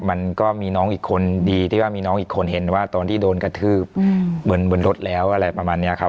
มันก็มีน้องอีกคนดีที่ว่ามีน้องอีกคนเห็นว่าตอนที่โดนกระทืบเหมือนบนรถแล้วอะไรประมาณนี้ครับ